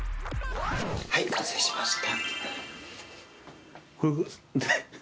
はい、完成しました。